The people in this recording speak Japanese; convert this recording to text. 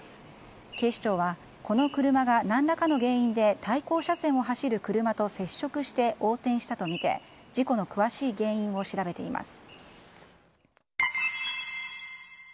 警視庁はこの車が何らかの原因で対向車線を走る車と接触して横転したとみて事故の詳しい原因を調べています。